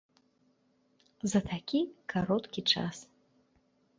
За такі кароткі час.